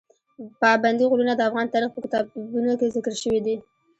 پابندی غرونه د افغان تاریخ په کتابونو کې ذکر شوی دي.